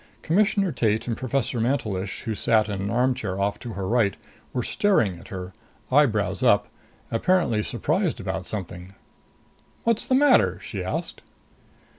Commissioner Tate and Professor Mantelish, who sat in an armchair off to her right, were staring at her, eyebrows up, apparently surprised about something. "What's the matter?" she asked.